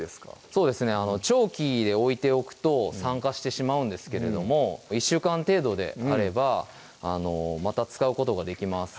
そうですね長期で置いておくと酸化してしまうんですけれども１週間程度であればまた使うことができます